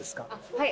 はい。